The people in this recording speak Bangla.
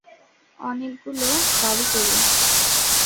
অনেকগুলো গাড়ি করে।